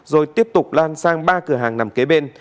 rồi tiếp tục lan sang ba cửa hàng nằm kế bên